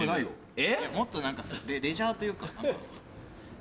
もっと何かレジャーというか何か。